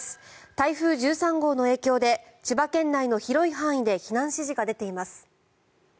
台風１３号の影響で千葉県内の広い範囲で避難指示が出ています。